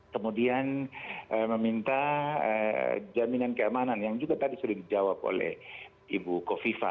kemudian meminta jaminan keamanan yang juga tadi sudah dijawab oleh ibu kofifa